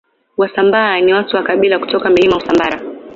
Wasambaa ni watu wa kabila kutoka Milima ya Usambara